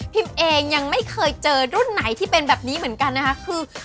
เองยังไม่เคยเจอรุ่นไหนที่เป็นแบบนี้เหมือนกันนะคะคือ